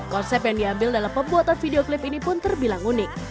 konsep yang diambil dalam pembuatan video klip ini pun terbilang unik